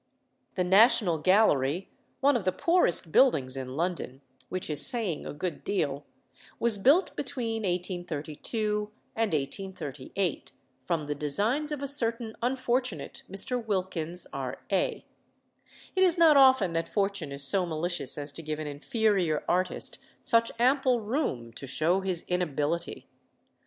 The National Gallery, one of the poorest buildings in London (which is saying a good deal), was built between 1832 and 1838, from the designs of a certain unfortunate Mr. Wilkins, R.A. It is not often that Fortune is so malicious as to give an inferior artist such ample room to show his inability.